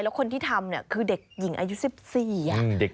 แล้วคนที่ทำคือเด็กหญิงอายุ๑๔น่าชื่นชมมาก